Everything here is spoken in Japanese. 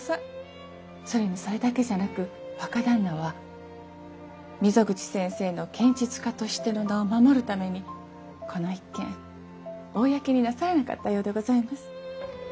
それにそれだけじゃなく若旦那は溝口先生の剣術家としての名を守るためにこの一件公になさらなかったようでございます。